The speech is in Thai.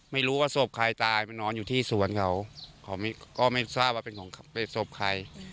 ไม่รู้ว่าศพใครตายไปนอนอยู่ที่สวนเขาเขาก็ไม่ทราบว่าเป็นของเป็นศพใคร